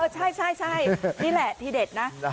ใช่นี่แหละทีเด็ดนะ